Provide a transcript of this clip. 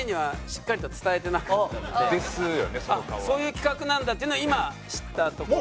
そういう企画なんだっていうのは今知ったところ。